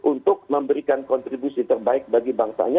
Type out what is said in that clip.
untuk memberikan kontribusi terbaik bagi bangsanya